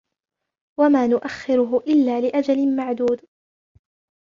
وما نؤخره إلا لأجل معدود